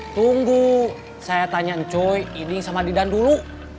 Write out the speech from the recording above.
tunggu saya tanya ncoy iding sama didan dulu